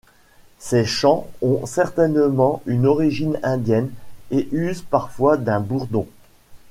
Ces chants ont certainement une origine indienne, et usent parfois d'un bourdon.